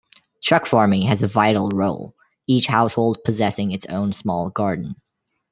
Truck-farming has a vital role, each household possessing its own small garden.